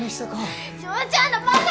翔ちゃんのバカ！